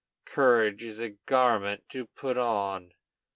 Courage is a garment to put on.